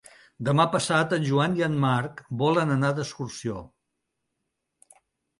Demà passat en Joan i en Marc volen anar d'excursió.